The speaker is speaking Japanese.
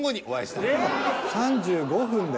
３５分で。